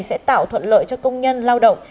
sẽ tạo thuận lợi cho công nhân lao động